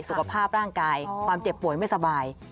สุขภาพร่างกายความเจ็บป่วยไม่สบาย